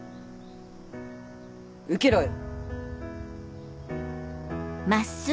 受けろよ。